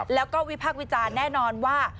แล้วก็วิพากษ์วิจารณ์แน่นอนว่า